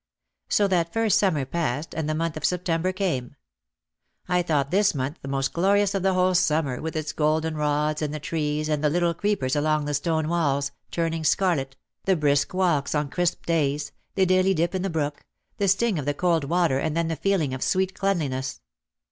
So that first Summer passed and the month of Sep tember came. I thought this month the most glorious of the whole summer with its golden rods and the trees and the little creepers along the stone walls, turning scarlet, the brisk walks on crisp days, the daily dip in the brook, the sting of the cold water and then the feeling of sweet cleanliness.